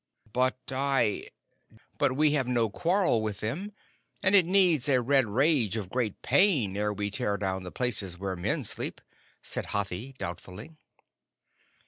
"But I but we have no quarrel with them, and it needs the red rage of great pain ere we tear down the places where men sleep," said Hathi, doubtfully.